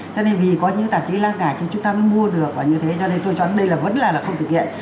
cho nên vì có những tạp chí lá cải thì chúng ta mới mua được và như thế cho nên tôi chọn đây là vẫn là không thực hiện